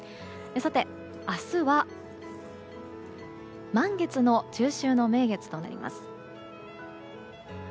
明日は満月の中秋の名月となります。